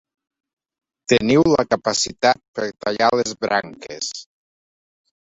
Teniu la capacitat per tallar les branques.